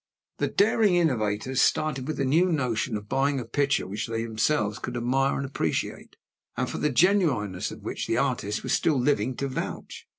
The daring innovators started with the new notion of buying a picture which they themselves could admire and appreciate, and for the genuineness of which the artist was still living to vouch.